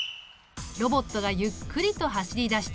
ロボットがゆっくりと走り出した。